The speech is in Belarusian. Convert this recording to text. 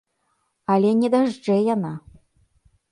Але не дажджэ яна!